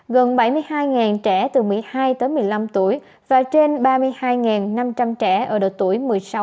gần bảy mươi hai trẻ từ một mươi hai tới một mươi năm tuổi và trên ba mươi hai năm trăm linh trẻ ở độ tuổi một mươi sáu